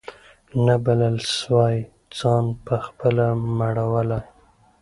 نه بلبل سوای ځان پخپله مړولای